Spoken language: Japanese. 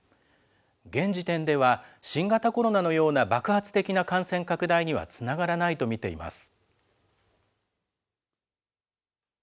現時点では、新型コロナのような爆発的な感染拡大にはつながらないと見ています。